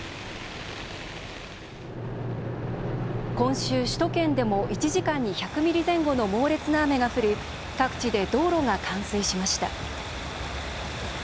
今週、首都圏でも１時間に１００ミリ前後の猛烈な雨が降り各地で道路が冠水しました。